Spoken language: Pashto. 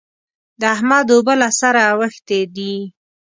د احمد اوبه له سره اوښتې دي.